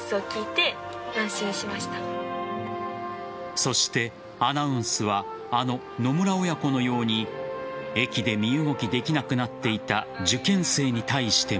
そしてアナウンスはあの野村親子のように駅で身動きできなくなっていた受験生に対しても。